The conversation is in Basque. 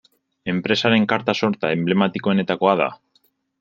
Enpresaren karta sorta enblematikoenetakoa da.